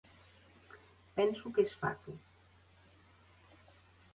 Penso que es fatu.